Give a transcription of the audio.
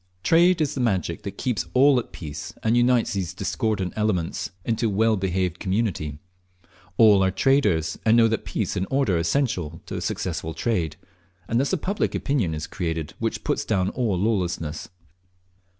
Trade is the magic that keeps all at peace, and unites these discordant elements into a well behaved community. All are traders, and know that peace and order are essential to successful trade, and thus a public opinion is created which puts down all lawlessness.